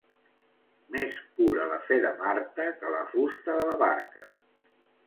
Més cura la fe de Marta que la fusta de la barca.